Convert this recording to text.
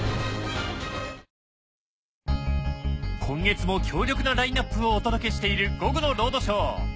今月も強力なラインアップをお届けしている「午後のロードショー」。